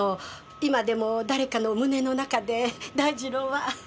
今でも誰かの胸の中で大二郎は。